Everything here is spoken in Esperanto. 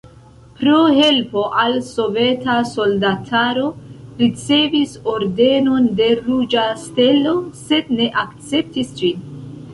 Pro helpo al soveta soldataro ricevis Ordenon de Ruĝa Stelo, sed ne akceptis ĝin.